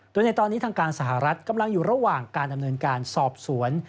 โดยในตอนนี้ทางการสหรัฐกำลังอยู่ระหว่างการดำเนินการสอบสวน